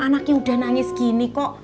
anaknya udah nangis gini kok